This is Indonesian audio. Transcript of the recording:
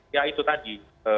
ya itu tadi